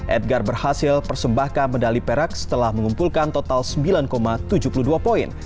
edgar berhasil persembahkan medali perak setelah mengumpulkan total sembilan tujuh puluh dua poin